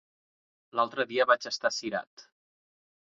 L'altre dia vaig estar a Cirat.